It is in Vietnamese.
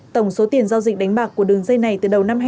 tổng số tiền giao dịch đánh bạc của đường dây này